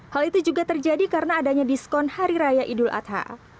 hal itu juga terjadi karena adanya diskon hari raya idul adha